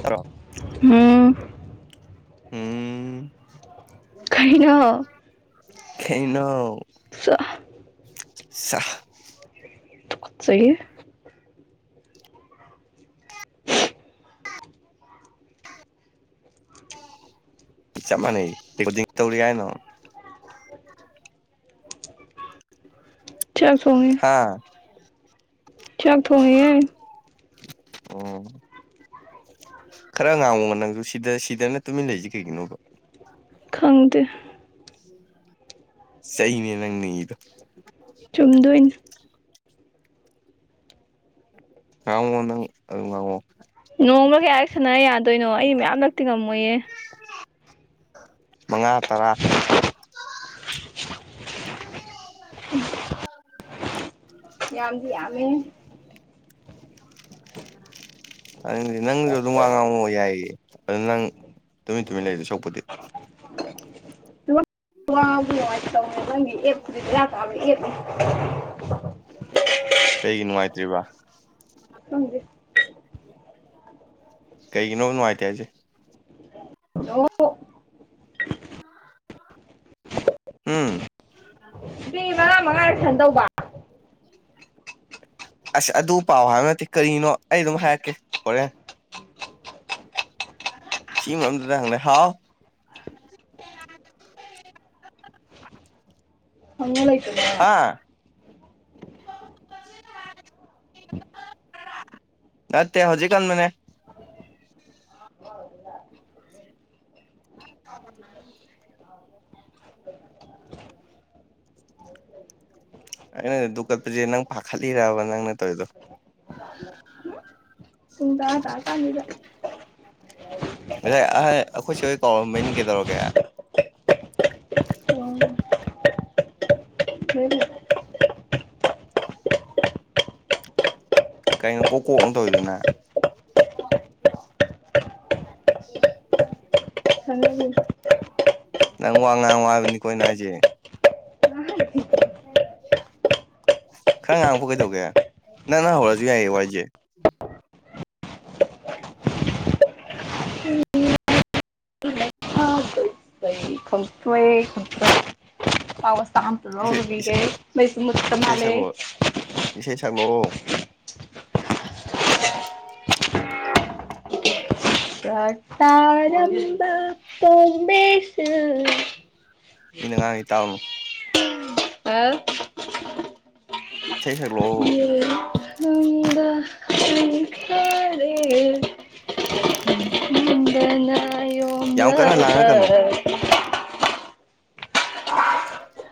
ꯇꯔꯣ ꯍꯝ ꯎꯝ ꯀꯩꯅ ꯈꯩꯅ ꯁ ꯁ ꯁ [inaudible] ꯆꯞ ꯃꯥꯟꯅꯩ ꯈꯨꯗꯤꯡ ꯇꯧꯔꯤ ꯍꯥꯏꯅꯣ ꯆꯠ ꯁꯣꯡꯉꯦ ꯍꯥ ꯆꯥꯛ ꯊ ꯍꯅꯤ ꯍꯥꯏ ꯑꯣ ꯈꯔ ꯉꯥꯡꯃꯨꯕ ꯅꯪꯁꯨ ꯁꯤꯗ ꯁꯤꯗꯅ ꯇꯨꯃꯤꯟꯅ ꯂꯩꯁꯤ ꯀꯩꯒꯤꯅꯣꯕ ꯈꯪꯗꯦ ꯁꯍꯤꯅꯦ ꯅꯪꯅꯤꯗ ꯆꯨꯝꯗꯨꯣꯏꯅ ꯀꯃ ꯑꯗꯨꯉꯣ ꯅꯣꯡꯃ ꯀꯌꯥ ꯁꯥꯟꯅ ꯌꯥꯗꯣꯏꯅꯣ ꯑꯩ ꯃꯌꯥꯝ ꯂꯛꯇꯤꯡꯉꯝꯃꯣꯏꯌꯦ ꯉꯥ ꯇꯔꯥ ꯌꯥꯝꯗꯤ ꯌꯥꯝꯃꯦ [inaudible] ꯑꯗꯨꯗꯤ ꯅꯪꯅꯁꯨ ꯑꯗꯨꯝ ꯋꯥ ꯉꯥꯡꯉꯛ ꯌꯥꯏꯌꯦ ꯑꯗꯨ ꯅꯪ ꯇꯨꯃꯤꯟ ꯇꯨꯃꯤꯟ ꯂꯩꯔꯤꯦ ꯁꯣꯛꯄꯗꯤ ꯑ ꯅꯪ ꯑꯦ ꯐꯔꯤ ꯌꯥ [inaudible] ꯀꯩꯒꯤ ꯅꯨꯡꯉꯥꯏꯇ꯭ꯔꯤꯕ ꯑꯪ ꯀꯩꯒꯤꯅꯣ ꯅꯨꯡꯉꯥꯏꯇꯦ ꯍꯥꯏꯁꯦ ꯑꯣ ꯎꯝ ꯃꯤ ꯃꯉꯥ ꯃꯉꯥꯔꯁꯟ ꯇꯧꯕ ꯑꯁ ꯑꯗꯨ ꯄꯥꯎ ꯍꯥꯏꯕ ꯅꯠꯇꯦ ꯀꯔꯤꯅꯣ ꯑꯩ ꯑꯗꯨꯝ ꯍꯥꯏꯔꯛꯀꯦ ꯍꯣꯔꯦꯟ ꯁꯤ ꯃꯔꯝꯗꯨꯗ ꯍꯪꯅꯦ ꯍꯥꯎ [unintelligible] ꯍꯥꯥ ꯅꯠꯇꯦ ꯍꯧꯖꯤꯛ ꯀꯟꯕꯅꯦ [unintelligible] ꯑꯩꯅ ꯗꯨꯛ ꯀꯠꯄꯁ‌ꯦ ꯅꯪ ꯄꯥꯈꯠꯂꯤꯔꯥꯕ ꯅꯪꯅ ꯇꯧꯔꯤꯗ‌ꯣ [unintelligible] ꯀꯅꯤꯗ [unintelligible] ꯑꯈꯣꯏ ꯆ‌ꯦ ꯇꯧꯔꯝꯕꯩꯅꯤ ꯀꯩꯗꯧꯔꯒꯦ ꯎꯝ ꯀꯥꯏ ꯀꯣꯛꯀꯣꯛ ꯑꯃꯨꯛ ꯇꯧꯔꯤꯗꯨꯅ ꯁꯥꯟꯅꯔꯤ ꯅꯪ ꯋꯥ ꯉꯥꯡꯉ‌ꯣ ꯍꯥꯏꯕꯅꯤꯀꯣ ꯑꯩꯅ ꯍꯥꯏꯁꯦ [inaudible] ꯈꯔ ꯉꯥꯡꯉꯛꯄ ꯀꯩꯗꯧꯒꯦ ꯅꯪꯅ ꯍꯧꯔꯁꯨ ꯌꯥꯏꯌꯦ ꯋꯥꯔꯤꯁꯦ [unintelligible] ꯍ‌ꯣꯏꯌ‌ꯦ [unintelligible] ꯆꯥꯛ ꯑꯝꯇ ꯏꯁꯩ ꯏꯁꯩ ꯂꯧꯔꯨꯒꯤꯒ‌ꯦ ꯃꯩꯁꯨ ꯃꯨꯠꯈꯔ ꯏꯁꯩ ꯃꯥꯜꯂ‌ꯦ ꯁꯛꯂꯛꯑꯣ ꯏꯁꯩ ꯁꯛꯂꯛꯑꯣ ꯀ ꯇꯥꯔꯝꯕ ꯇꯣꯝꯕꯤꯁꯨ ꯃꯤꯅ ꯉꯥꯡꯏ ꯇꯥꯥꯎ ꯑ ꯏꯁꯩꯩ ꯁꯛꯂꯛꯑꯣ ꯌꯨꯝꯗ [unintelligible] ꯍꯟꯈꯔꯦ ꯅꯝꯗꯅ ꯌꯥꯝ ꯀꯥꯟꯅꯥ ꯌꯣꯝꯂꯕ ꯂꯥꯡꯉꯛꯀꯅꯣ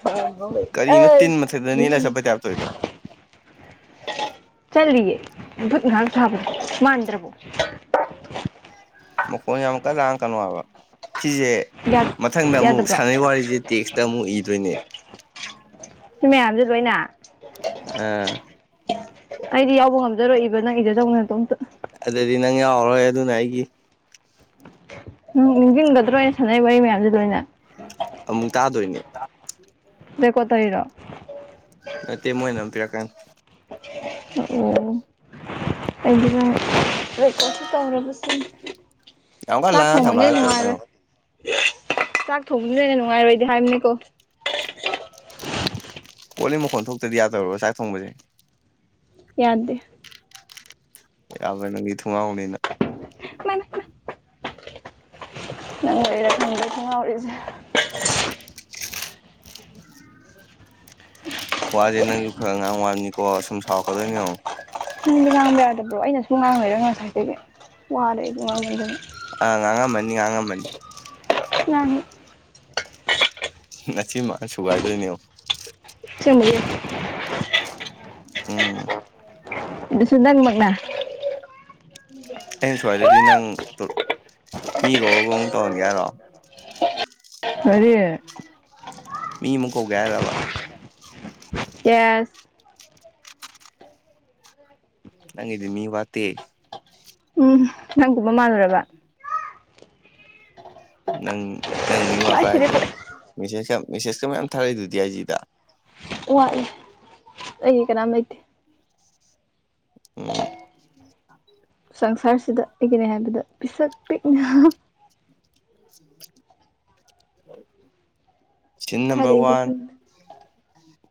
ꯊꯃꯣꯏ ꯀꯔꯤꯅ‌ꯣ ꯇꯤꯟ ꯃꯊꯛꯇ ꯑꯁꯤ ꯅ‌ꯦꯠꯂ ꯆꯠꯄꯩ ꯇꯥꯏꯞ ꯇꯧꯔꯤꯗ‌ꯣ ꯆꯠꯂꯤꯌꯦ [unintelligible] ꯉꯥꯛ ꯊꯥꯕ ꯃꯥꯟꯗ꯭ꯔꯕꯣ ꯃꯈ‌ꯣꯟ ꯌꯥꯝ ꯀꯟ ꯂꯥꯡꯉꯛꯀꯅꯨ ꯍꯥꯏꯕ ꯁꯤꯁꯦ ꯃꯊꯪꯗ ꯑꯃꯨꯛ ꯌꯥꯗꯕ꯭ꯔꯣ ꯁꯥꯟꯅꯩ ꯋꯥꯔꯤꯁꯦ ꯇꯦꯛꯁꯇ ꯑꯃꯨꯛ ꯏꯕ ꯏꯗ‌ꯣꯏꯅꯦ ꯁꯤ ꯃꯌꯥꯝꯁꯦ ꯂꯣꯏꯅ ꯑꯥ [unintelligible] ꯗꯧꯅ ꯇꯣ ꯑꯗꯨꯗꯤ ꯅꯪ ꯌꯥꯎꯔꯣꯏ ꯑꯗꯨꯅ ꯑꯩꯒꯤ ꯎꯝ ꯅꯤꯡꯁꯤꯡꯒꯗ꯭ꯔꯣ ꯑꯩꯅ ꯁꯥꯟꯅꯩ ꯋꯥꯔꯤ ꯃꯌꯥꯝꯁ‌ꯦ ꯂ‌ꯣꯏꯅ ꯑꯃꯨꯛ ꯇꯥꯗꯣꯏꯅꯦ ꯔ‌ꯦꯀꯣꯔꯠ ꯇꯧꯔꯤꯔꯣ ꯅꯠꯇ‌ꯦ ꯃꯣꯏꯅ ꯑꯗꯨꯝ ꯄꯤꯔꯛꯀꯅꯤ ꯑꯣ ꯑꯩꯗꯤ ꯔ‌ꯦꯀ‌ꯣꯔꯗ ꯁꯨ ꯇꯧꯔꯕꯔꯥ ꯁꯤꯅꯤ ꯌꯥꯝ ꯀꯟꯅꯥ ꯂꯥꯉꯛ ꯀꯅꯦ ꯍꯥꯌꯔꯒꯥ ꯇꯧꯔꯤꯁꯦ ꯌꯦꯎ ꯅꯨꯡꯉꯥꯏꯔꯣꯏ ꯆꯥꯛ ꯊꯣꯡꯕꯁꯨ ꯂꯦꯅ ꯅꯨꯡꯉꯥꯏꯔꯣꯏꯗꯤ ꯍꯥꯏꯕꯅꯤꯀꯣ ꯀꯣꯜꯂꯤ ꯃꯈꯣꯟ ꯊꯣꯛꯇꯗꯤ ꯌꯥꯗꯧꯔꯕꯣ ꯆꯥꯛ ꯊꯣꯡꯕꯁꯦ ꯌꯥꯗꯦ ꯌꯥꯕꯥꯅꯦ ꯅꯪꯗꯤ ꯊꯨꯡꯉꯥꯎ ꯅꯤꯅ ꯃꯥꯏ ꯃꯥꯏ ꯃꯥꯏ [unintelligible] ꯅꯪ ꯂꯩꯔ ꯈꯪꯗ ꯈ ꯉꯥꯎꯔꯤꯁꯦ ꯋꯥ ꯖ ꯅꯥꯪꯁꯨ ꯈꯔꯥ ꯈꯔꯥ ꯉꯪꯑꯣ ꯀꯣ ꯁꯨꯝ ꯁꯧꯔꯛ ꯀ ꯑꯣꯏꯅꯤ ꯌꯦꯎ ꯅꯪꯗꯤ ꯉꯥꯡꯕ ꯌꯥꯗꯕ꯭ꯔꯣ ꯑꯩꯅꯁꯨ ꯉꯥꯡꯉꯣꯏꯔ ꯉꯁꯥꯏꯒꯤ ꯋꯥꯔ ꯑꯩ ꯑꯗꯨꯝ ꯉꯥꯡꯅꯣꯏꯗꯣꯏꯅ ꯑ ꯉꯥꯡꯉꯝꯃꯅꯤ ꯉꯥꯡꯉꯝꯃꯅꯤ ꯌꯥꯅꯤ ꯅꯆꯤꯟ ꯃꯥꯅ ꯁꯨꯒꯥꯏꯗꯣꯏꯅꯦ ꯑꯁꯦꯪꯕꯒꯤ ꯎꯝ ꯑꯗꯨꯁꯨ ꯅꯪ ꯃꯛꯅ ꯑꯩꯅ ꯁ꯭ꯋꯥꯏꯗꯗꯤ ꯅꯪ ꯃꯤ ꯀꯧꯕꯒ ꯇꯧꯔꯅꯤꯦꯔꯣ ꯀꯔꯤ ꯃꯤ ꯃꯨꯀꯣꯒꯦꯔꯕ ꯑꯦꯁ ꯅꯪꯒꯤꯗꯤ ꯃꯤ ꯋꯥꯇꯦ ꯎꯝ ꯅꯪꯒꯨꯝꯕ ꯃꯥꯜꯂꯨꯔꯕ ꯅꯪ ꯅꯪ ꯃꯤ ꯑꯩ ꯋꯥꯄ꯭ꯔꯥ ꯁꯤꯗꯤ ꯍꯥꯏꯁꯦ ꯃꯦꯁꯦꯁ ꯌꯥꯝ ꯃꯦꯁꯦꯁꯀ ꯃꯌꯥꯝ ꯊꯥꯔꯛꯏꯗꯨꯗꯤ ꯑꯥꯏ ꯖꯤ ꯗ ꯋꯥꯠꯂꯦ ꯑꯩꯒꯤ ꯀꯅꯥꯝ ꯂꯩꯇꯦ ꯎꯝ ꯁꯪꯁꯥꯔꯁꯤꯗ ꯀꯩꯒꯤꯩꯅ ꯍꯥꯏꯕꯗ ꯄꯤꯁꯛ ꯄꯤꯛꯅ [inaudible] ꯁꯤꯟ ꯃꯈꯥꯗꯤ ꯅꯝꯕꯔ ꯑꯩꯁꯨ ꯋꯥꯟ ꯈꯪꯗꯦ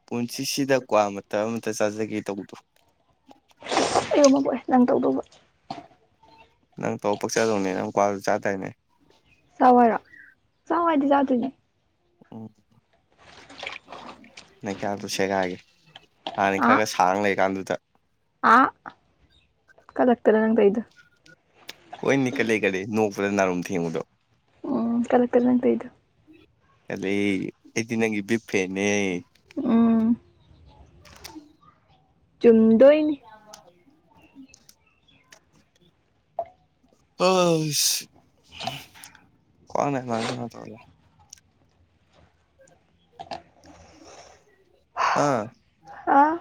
ꯄꯨꯟꯁꯤꯁꯤꯗ ꯀꯋꯥ ꯑꯃ ꯑꯃꯇ ꯆꯥꯖꯒꯦ ꯇꯧꯕꯗꯣ ꯇꯉꯕꯣꯏ ꯅꯪ ꯇꯧꯗꯧꯕ ꯅꯪ ꯇꯧꯕꯅꯥ ꯄꯛꯆꯗꯧꯅꯦ ꯅꯪ ꯀ꯭ꯋꯥꯗ ꯆꯥꯗꯔꯤꯅꯦ ꯆꯥꯎ ꯍꯤꯏꯔꯣ ꯆꯋꯥꯎ ꯍꯥꯏꯗꯦ ꯆꯥꯗꯣꯏꯅꯦ ꯎꯝ ꯅ ꯀꯌꯥꯇꯣ ꯇꯁꯦꯒꯒꯦ ꯍꯥꯟꯅ ꯈꯔ ꯈꯔ ꯁꯥꯡꯅ ꯂꯩꯀꯥꯟꯗꯨꯗ ꯑ ꯀꯂꯛ ꯍꯣꯏꯅꯤ ꯀꯂꯦ ꯀꯦ ꯅꯣꯡ ꯅ ꯅꯥꯔꯨꯝ ꯊꯦꯡꯕꯗꯣ ꯎꯝ ꯀꯂꯥꯜ ꯇꯥꯅꯥ ꯅꯪ ꯇꯧꯔꯤꯗꯤ ꯑꯗꯩ ꯑꯩꯗꯤ ꯅꯪꯒꯤꯕꯤꯞ ꯐ꯭ꯔꯦꯅꯦ ꯎꯝ ꯆꯨꯝꯗꯣꯏꯅꯤ ꯑ ꯀꯅ ꯍꯥꯏ ꯃꯥꯁꯤꯅ ꯇ ꯑꯥ ꯑꯥ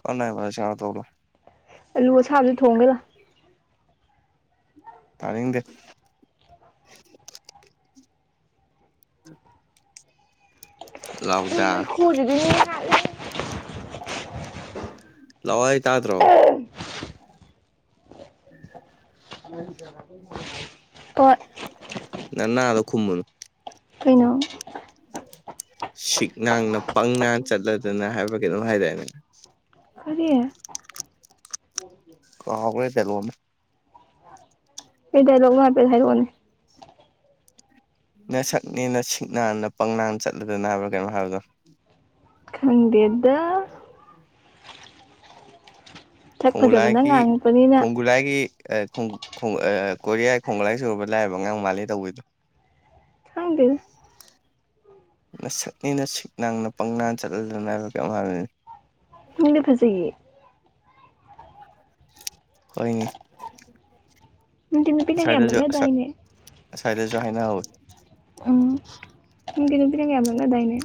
ꯀꯅꯥ ꯃꯥ ꯆꯔ ꯇꯧꯂꯣ ꯑꯂꯨ ꯑꯁꯥꯕꯁꯨ ꯊꯣꯡꯒꯦꯗ ꯇꯥꯅꯤꯡꯅꯤꯡꯗꯦ ꯎꯝ ꯎ ꯃꯩꯈꯨꯖꯤꯗꯤ ꯈꯂ ꯂ‌ꯎꯋꯥꯏ ꯇꯥꯗ꯭ꯔꯣ ꯎꯝ ꯑꯣ ꯅꯅꯥ ꯑꯗꯣ ꯈꯨꯝꯃꯨꯅꯨ ꯀꯏꯅꯣ ꯁꯤꯛꯅꯥꯡꯅ ꯄꯪꯅ ꯆꯠꯂꯗꯅ ꯍꯥꯏꯕ꯭ꯔ ꯀꯩꯅ‌‌ꯣꯝ ꯍꯥꯏꯗꯥꯏꯅꯦ ꯀꯔꯤ ꯑ ꯍ‌ꯌ‌ꯦꯟ ꯀꯩꯅ‌ꯣ ꯑꯃ ꯑꯦꯗ ꯂꯧ ꯃꯥ ꯄꯦ ꯍꯥꯏꯔ ꯋꯥꯅꯦ ꯅ ꯁꯛꯅꯦꯅ ꯁꯤꯛꯅꯥꯅ ꯄꯪꯅꯥ ꯆꯠꯂꯗ ꯅ ꯀꯩꯅꯣꯝ ꯍꯥꯏꯕꯗꯣ ꯈꯪꯗ‌ꯦꯗ ꯎꯝ ꯁꯛ ꯐꯖꯕꯅ ꯈꯨꯒꯨꯂꯥꯒꯤ ꯉꯥꯡꯉꯛꯄꯅꯤꯅ ꯈꯨꯒꯨꯂꯥꯒꯤ ꯀꯣꯔꯤꯌꯥ ꯈꯣꯡꯒ ꯂꯥꯏ ꯁꯨꯔꯕ ꯂꯥꯏꯔꯕ ꯑꯉꯥꯡ ꯃꯥꯂꯦ ꯇꯧꯕꯩꯗꯣ ꯈꯪꯗꯦꯗ ꯅꯁꯛꯅꯤꯅ ꯁꯛ ꯡꯅ ꯄꯪ ꯅ ꯆꯠꯂꯗꯅ ꯍꯥꯏꯕꯀꯩꯝ ꯍꯥꯏꯕꯅꯤ ꯏꯡꯅ ꯐꯖꯩ ꯍꯣꯏꯅꯦ ꯅꯪꯗꯤ ꯅꯨꯄꯤꯅꯒ ꯌꯥꯝ ꯉꯁꯥꯏꯗꯁꯨ ꯁꯛ ꯂꯛꯅꯗꯥꯏꯅꯦ ꯑꯁꯥꯏꯗꯁꯨ ꯍꯥꯏꯅꯍꯧꯏ ꯎ ꯎꯝ ꯎ ꯀ ꯅꯨꯄꯤꯗ ꯌꯥꯕ ꯂꯛꯅꯗꯥꯥꯏꯅꯦ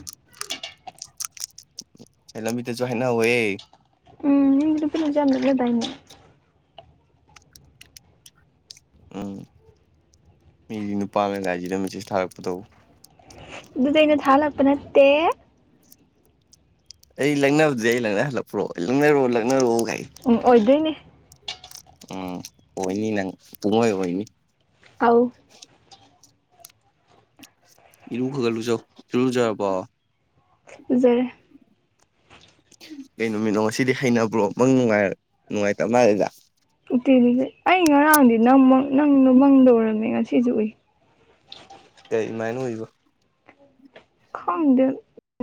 ꯂꯝꯕꯤꯗꯁꯨ ꯍꯥꯏꯅ ꯍꯩꯌꯦꯦ ꯎꯝꯅꯨꯄꯤꯅꯖꯝ ‌‌ꯌꯥꯝ ꯂꯥꯛꯅꯗꯥꯏꯅ‌ꯦ ꯎꯝ ꯃꯤ ꯅꯨ ꯄꯥꯒꯗꯥꯏꯃꯦꯖꯁ ꯊꯥꯔꯛꯄ ꯗ‌ꯣ ꯑꯗꯨꯗꯤ ꯑꯩꯅ ꯊꯥꯜꯂꯛꯄ ꯅꯠꯇꯦ ꯑꯩ ꯂꯪꯅꯕꯗꯤ ꯑꯩ ꯂꯪꯅꯍꯜꯂꯛꯄ꯭ꯔꯣ ꯂꯪꯅꯔꯛꯣ ꯂꯛꯅꯔ‌ꯒꯥꯏ ꯎꯝ ꯑꯣꯏꯗꯣꯏꯅꯤ ꯎꯝ ꯑꯣꯏꯅꯤ ꯅꯪ ꯄꯨꯡꯍꯣꯏ ꯑꯣꯏꯅꯤ ꯑꯥꯎ ꯏꯔꯨ ꯈꯒꯠꯂꯨꯖꯧ ꯏꯂꯨꯖꯔꯕꯣ ꯂꯨꯖꯔꯦ ꯀꯩ ꯅꯨꯃꯤꯠꯅꯣ ꯉꯁꯤꯗꯤ ꯍꯩꯅꯕ꯭ꯔꯣ ꯄꯅꯨꯡꯃꯨ ꯅꯨꯡꯉꯥꯏꯇꯔ ꯃꯥꯜꯂꯤꯗꯥ ꯎꯠꯇꯦ ꯑꯩ ꯉꯔꯥꯡꯗꯤ ꯅ ꯅꯪꯅ ꯃꯪꯗꯥ ꯎꯔꯝꯃꯤ ꯉꯁꯤꯁꯨ ꯎꯏ ꯏꯃꯥꯏꯅꯨ ꯑꯩꯕꯨ ꯈꯪꯗꯦ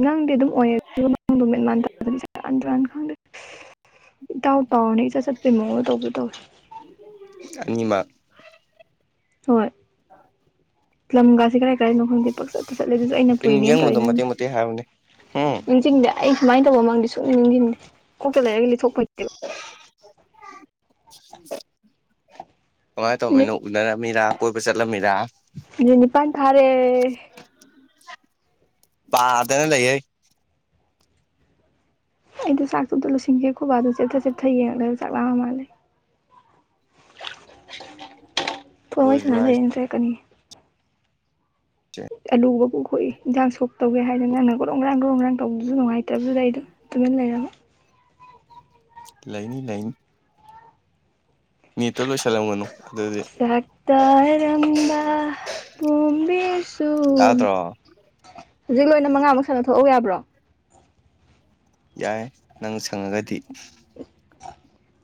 ꯅꯪꯗꯤ ꯑꯗꯨꯝ ꯑꯣꯏꯌꯦ ꯑꯗꯨ [unintelligible] ꯍꯟꯗꯛ ꯏꯇꯥꯎ ꯇꯥꯎꯅꯤ ꯏꯖꯠ ꯆꯠꯄ ꯃꯑꯣꯡ ꯇꯧꯕꯗꯨ ꯇꯧꯋꯤ ꯑꯅꯤꯃꯛ ꯍꯣꯏ ꯂꯝꯒꯥꯁꯤ ꯀꯔꯥꯏ ꯈꯪꯗꯦ ꯄꯡꯆꯠꯇ ꯆꯠꯂꯦ ꯑꯗꯨꯁꯨ ꯑꯩꯅ ꯑꯩ ꯄꯨꯏꯅꯦꯅ ꯅꯤꯡꯁꯤꯡꯕꯗꯣ ꯇꯧꯔꯤꯅꯪ ꯃꯇꯦꯛ ꯃꯇꯦꯛ ꯍꯥꯏꯕꯅꯦ ꯍꯨꯝ ꯅꯤꯡꯁꯤꯡꯗꯦ ꯑꯩ ꯁꯨꯃꯥꯏ ꯇꯧꯕ ꯃꯥꯡꯗꯤ ꯁꯨꯡꯅꯤꯡ ꯅꯤꯡꯁꯤꯡꯗꯦ ꯀꯣꯛꯇ ꯂꯩꯔꯒ ꯂꯤꯊꯣꯛꯄ ꯍꯩꯇꯦꯕ [unintelligible] ꯀꯃꯥꯏꯅ ꯃꯤꯅꯤꯠ ꯇꯧꯃꯤꯅꯣ ꯎꯅꯔꯝꯃꯤꯔꯥ ꯀꯣꯏꯕ ꯆꯠꯂꯝꯃꯤꯔ ꯃꯤꯅꯤꯠ ꯅꯤꯄꯥꯥꯟ ꯐꯥꯔꯦ ꯄꯥꯗꯅ ꯂꯩꯍꯦ ꯑꯩꯗꯣ ꯆꯥꯛꯇꯣ ꯑꯝꯇꯦ ꯂꯣꯏꯁꯤꯟꯒꯦ ꯈꯨꯕꯥꯗꯣ ꯆꯦꯠꯊ ꯆꯦꯠꯊ ꯌꯦꯡ ꯂꯩꯔꯦ ꯆꯥꯛ ꯂꯥꯝꯃ ꯃꯥꯜꯂꯦ ꯐꯣꯟ ꯋꯥꯔꯤ ꯁꯅꯥ ꯂꯣꯏꯗ꯭ꯔꯥ ꯍꯥꯏꯁꯦ ꯂꯩꯅ ꯆꯩꯔꯛꯀꯅꯤ ꯑꯂꯨ ꯃꯀꯨ ꯈꯣꯛꯏ ꯏꯟꯖꯥꯡ ꯁꯣꯛ ꯇꯧꯒꯦ ꯍꯥꯏꯗꯅ ꯒ꯭ꯔꯣꯡꯒ꯭ꯔꯥꯡ ꯒ꯭ꯔꯣꯡꯒ꯭ꯔꯥꯡ ꯇꯧ ꯁꯨ ꯅꯨꯡꯉꯥꯏꯇꯕꯗꯨꯗ ꯑꯩꯗꯨ ꯇꯨꯃꯤꯟ ꯂꯩꯔꯕ ꯂꯩꯅꯤ ꯂꯩꯅꯤ ꯅꯦꯠꯇꯣ ꯂꯣꯏꯁꯜꯂꯝꯒꯅꯨ ꯆꯥꯛꯇꯥꯔꯝꯕ ꯄꯣꯝꯕꯤꯁꯨ ꯇꯥꯗ꯭ꯔꯣ ꯍꯧꯖꯤꯛ ꯂꯣꯏꯅ ꯃꯉꯥꯃꯨꯛ ꯁꯥꯟꯅ ꯊꯣꯛꯄ ꯌꯥꯕ꯭ꯔꯣ ꯌꯥꯏ ꯅꯪ ꯁꯪꯉꯒꯗꯤ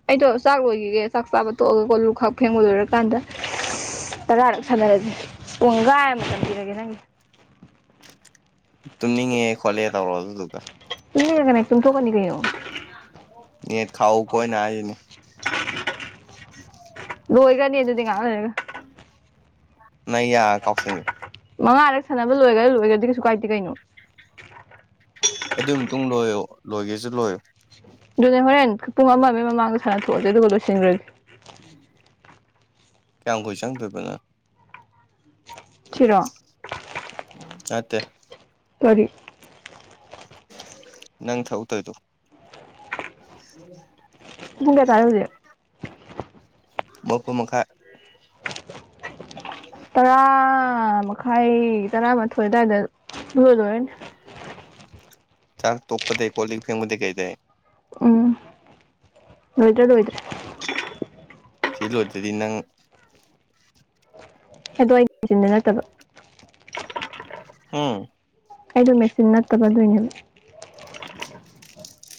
ꯑꯩꯗꯣ ꯆꯥꯛ ꯂꯣꯏꯒꯤꯒꯦ ꯆꯥꯛ ꯆꯥꯕ ꯇꯣꯛꯑꯒ ꯀꯣꯂꯨ ꯈꯛ ꯐꯦꯡꯕ ꯂꯣꯏꯔꯀꯥꯟꯗ ꯇꯔꯥꯔꯛ ꯁꯥꯟꯅꯔꯁꯤ ꯄꯨꯡꯒꯥꯏ ꯑꯝ ꯃꯇꯝ ꯄꯤꯔꯒꯦ ꯅꯪꯒꯤ ꯇꯨꯝꯅꯤꯡꯉꯦ ꯈꯣꯠꯂꯦ ꯇꯧꯔꯣ ꯑꯗꯨꯗꯨꯒ ꯇꯨꯝꯅꯤꯡꯉꯒꯅ ꯇꯨꯝꯊꯣꯛꯀꯅꯤ ꯀꯩꯅꯣ ꯅꯦꯠ ꯈꯥꯛꯎꯀꯣ ꯑꯩꯅ ꯍꯥꯏꯁꯤꯅꯤ [unintelligible] ꯂꯣꯏꯒ꯭ꯔꯅꯤ ꯑꯗꯨꯗꯤ ꯉꯍꯥꯛ ꯂꯩꯔꯒ ꯅꯌꯥ ꯀꯥꯎꯁꯟꯒꯦ ꯃꯉꯥꯔꯛ ꯁꯥꯟꯅꯕ ꯂꯣꯏꯔꯥ ꯂꯣꯏꯔꯗꯤ ꯀꯩꯁꯨ ꯀꯥꯏꯗꯦ ꯀꯩꯗꯩꯅꯣ ꯑꯗꯨꯃ ꯃꯇꯨꯡ ꯂꯣꯏꯌꯣ ꯂꯣꯏꯒꯦꯁꯨ ꯂꯣꯏꯌꯣ ꯑꯗꯨꯅꯦ ꯍꯣꯔꯦꯟ ꯄꯨꯡ ꯑꯃ ꯑꯃꯒꯤ ꯃꯃꯥꯡꯗ ꯁꯥꯟꯅ ꯊꯣꯛꯑꯁꯦ ꯑꯗꯨꯒ ꯂꯣꯏꯁꯤꯟꯒ꯭ꯔꯁꯤ ꯎꯝ ꯀꯌꯥꯝ ꯀꯨꯏ ꯆꯪꯗꯣꯏꯕꯅꯪ ꯁꯤꯔꯣ ꯅꯠꯇꯦ ꯀꯔꯤ ꯅꯪ ꯊꯧ ꯇꯣꯏꯗꯣ ꯎꯝ [unintelligible] ꯄꯨꯡ ꯀꯌꯥ ꯇꯥꯏ ꯍꯧꯖꯤꯛ ꯃꯥꯄꯟ ꯃꯈꯥꯏ ꯇꯔꯥ ꯃꯈꯥꯏ ꯇꯔꯥꯃꯥꯊꯣꯏ ꯑꯗꯨꯋꯥꯏꯗ ꯂꯨ ꯂꯣꯏꯔꯅꯦ ꯆꯥ ꯇꯣꯞꯄꯗ ꯀꯣꯂꯤ ꯐꯦꯡ ꯕꯗꯤꯏ ꯀꯩꯗꯩ ꯎ ꯂꯣꯏꯗ꯭ꯔꯥ ꯂꯣꯏꯗ꯭ꯔꯦ ꯁꯤ ꯂꯣꯏꯗ꯭ꯔꯗꯤ ꯅꯪ ꯑꯗꯣ ꯑꯩ ꯍꯤꯟꯖꯤꯟꯗ ꯅꯠꯇꯕ ꯎꯝ ꯑꯩꯗꯣ ꯃꯦꯆꯤꯟ ꯅꯠꯇꯕ ꯑꯗꯨꯣꯏꯅꯦꯕ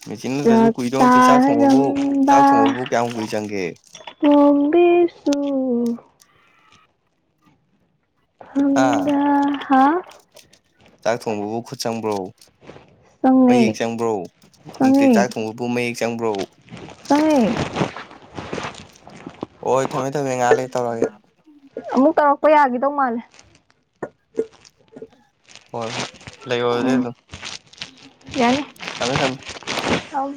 ꯃꯦꯆꯤꯤꯟꯗꯨꯗꯁꯨ ꯆꯥꯛ ꯀꯨꯏꯗꯧ ꯅꯠꯇꯦ ꯆꯥꯛ ꯊꯣꯡꯕꯕꯨ ꯆꯥꯔꯝꯕ ꯆꯥꯛ ꯊꯣꯡꯕꯕꯨ ꯀꯌꯥꯝ ꯀꯨꯏ ꯆꯪꯒꯦ ꯄꯁ ꯍꯥ ꯍꯥ ꯆꯥꯛ ꯊꯣꯡꯕꯕꯨ ꯈꯨꯠ ꯆꯪꯕ꯭ꯔꯣ ꯆꯪꯉꯦ ꯃꯌꯦꯛ ꯆꯪꯕ꯭ꯔꯣ ꯅꯨꯡꯇꯤ ꯆꯪꯉꯦ ꯆꯥꯛ ꯊꯣꯡꯕꯕꯨ ꯃꯌꯦꯛ ꯆꯪꯕ꯭ꯔꯣ ꯎꯝ ꯆꯪꯉꯦ ꯍꯣꯏ ꯊꯝꯃꯦ ꯊꯝꯃꯦ ꯉꯥꯏꯍ ꯂꯩ ꯇꯧꯔꯒꯦ ꯊꯣꯛꯄ ꯌꯥꯒꯗꯧ ꯃꯥꯜꯂꯦ ꯍꯣꯏ ꯍꯣꯏ ꯂꯩ ꯋꯥꯗꯦ ꯇ ꯊꯃꯦ ꯊꯃꯦ ꯊꯥꯎ